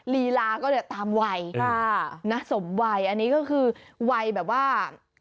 ลีลาก็เนี่ยตามวัยสมวัยอันนี้ก็คือวัยแบบว่า